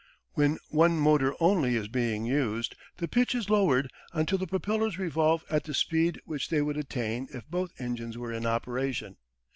When one motor only is being used, the pitch is lowered until the propellers revolve at the speed which they would attain if both engines were in operation.